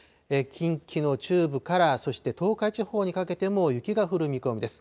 近畿の中部から、そして東海地方にかけても雪が降る見込みです。